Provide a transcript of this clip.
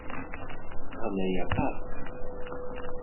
Ɣlay aṭas!